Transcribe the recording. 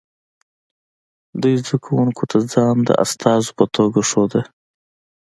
دوی زده کوونکو ته ځان د استازو په توګه ښوده